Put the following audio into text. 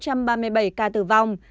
một trăm ba mươi bảy ca tử vong